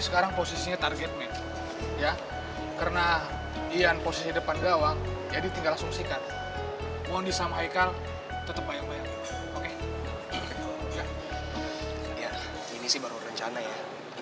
kalau gitu gue yang terakhir deh